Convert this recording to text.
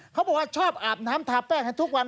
เขาบอกว่าชอบอาบน้ำทาแป้งให้ทุกวัน